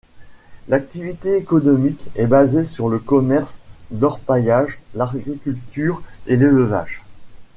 L'activité économique est basée sur le commerce, l'orpaillage, l'agriculture et l'élevage.